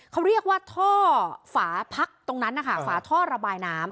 เขาเรียกว่าท่อฝาพักตรงนั้นนะคะฝาท่อระบายน้ำ